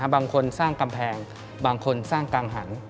บางคนสร้างกำแพงบางคนสร้างกังหัน